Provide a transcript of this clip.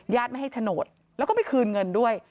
ญาติไม่ให้ฉนดแล้วก็ไม่คืนเงินด้วย